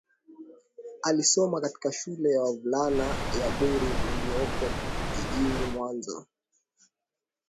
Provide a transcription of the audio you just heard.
alisoma katika shule ya wavulana ya bwiru iliyoko jijini mwanza